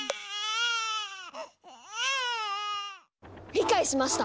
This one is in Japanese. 理解しました！